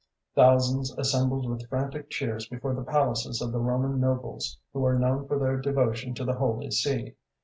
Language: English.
Thousands assembled with frantic cheers before the palaces of the Roman nobles who are known for their devotion to the Holy See.